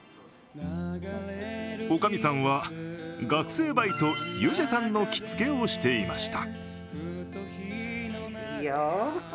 おかみさんは学生バイト・ユジェさんの着付けをしていました。